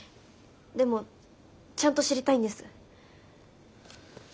でもちゃんと知りたいんです。